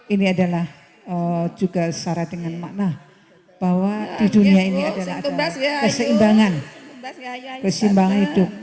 ini adalah juga syarat dengan makna bahwa di dunia ini adalah keseimbangan keseimbangan hidup